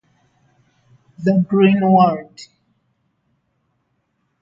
The Grand Coulee is part of the Columbia River Plateau.